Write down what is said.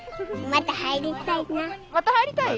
また入りたい？